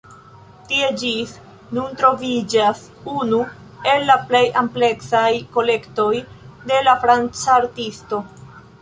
Tie ĝis nun troviĝas unu el la plej ampleksaj kolektoj de la franca artisto.